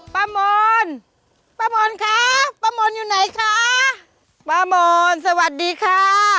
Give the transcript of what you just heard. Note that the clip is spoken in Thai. มอนป้ามอนคะป้ามนอยู่ไหนคะป้ามอนสวัสดีค่ะ